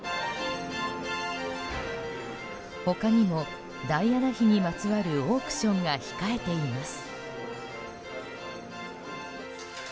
他にもダイアナ妃にまつわるオークションが控えています。